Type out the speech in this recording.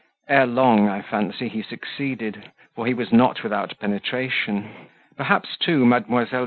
Ere long, I fancy, he succeeded, for he was not without penetration; perhaps, too, Mdlle.